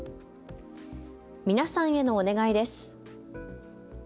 皆さんへのお願いです。